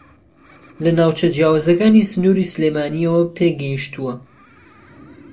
لە ناوچە جیاوازەکانی سنووری سلێمانییەوە پێگەیشتووە